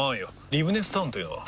リブネスタウンというのは？